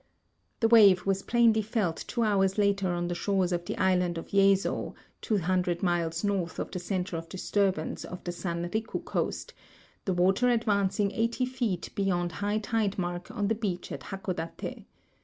The wave was plainly felt two hours later on the shores of the island of Yesso, 200 miles north of the center of disturbance on the San Riku coast, the water advancing 80 feet beyond high tide mark on the beach at Hakodate.